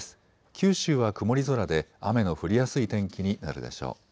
九州は曇り空で雨の降りやすい天気になるでしょう。